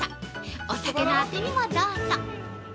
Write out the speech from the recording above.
お酒のアテにもどうぞ。